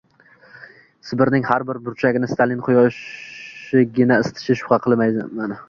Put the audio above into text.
Sibirning har bir burchagini Stalin quyoshigina isitishiga shubha qilmaysan.